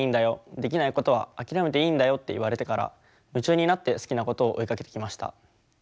できないことは諦めていいんだよ」って言われてから夢中になって好きなことを追いかけてきました。